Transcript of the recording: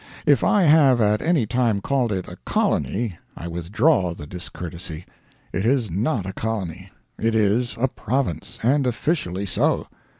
If I have at any time called it a Colony, I withdraw the discourtesy. It is not a Colony, it is a Province; and officially so.